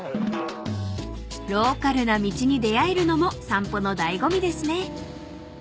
［ローカルな道に出合えるのも散歩の醍醐味ですね］